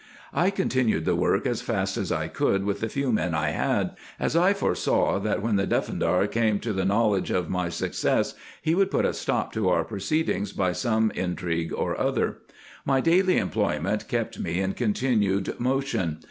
I continued the work as fast as I could with the few men I had, as I foresaw, that when the Defterdar came to the knowledge of my success he would put a stop to our proceedings by some intrigue or y 2 164 RESEARCHES AND OPERATIONS other. My daily employment kept me in continual motion.